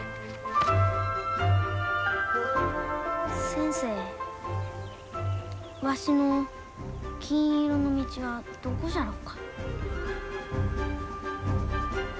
先生わしの金色の道はどこじゃろうか？